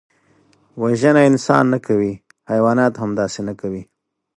وژنه انسان نه کوي، حیوانات هم داسې نه کوي